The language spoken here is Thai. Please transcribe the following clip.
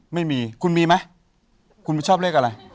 ไม่มีคุณมีไหมคุณไม่ชอบเลขอะไร